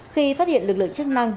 khi phát hiện lực lượng chức năng